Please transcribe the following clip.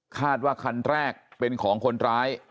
คาดว่าคันแรกเป็นของคนร้าย